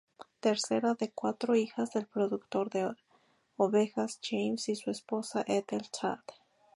Tercera de cuatro hijas del productor de ovejas James y su esposa Ethel Todd.